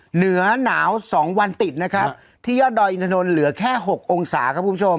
เหนือนาวสองวันติดนะครับที่ยอดดอย่างเหลือแค่๖องศาครับ